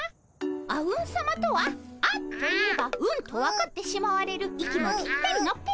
あうんさまとは「あ」といえば「うん」と分かってしまわれる息もぴったりのペア。